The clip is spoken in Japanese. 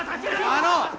あの！